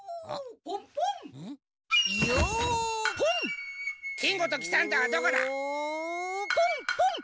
ポンポン。